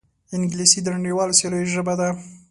انګلیسي د نړیوالو سیالیو ژبه ده